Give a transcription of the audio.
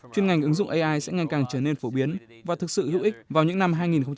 chuyên ngành ứng dụng ai sẽ ngày càng trở nên phổ biến và thực sự hữu ích vào những năm hai nghìn hai mươi